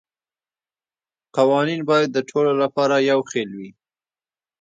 قوانین باید د ټولو لپاره یو شان وي